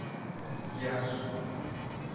Iaçu